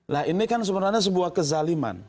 nah ini kan sebenarnya sebuah kezaliman